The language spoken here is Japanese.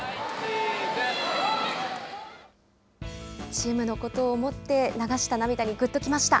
チームのことを思って流した涙にぐっときました。